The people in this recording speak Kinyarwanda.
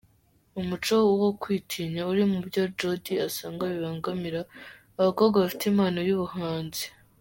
Umuco wo kwitinya uri mu byo Jodi asanga bibangamira abakobwa bafite impano y’ubuhanzi